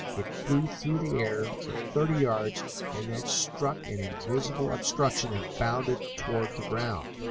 It flew through the air for thirty yards and then struck an invisible obstruction and bounded toward the ground.